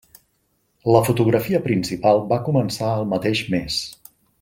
La fotografia principal va començar el mateix mes.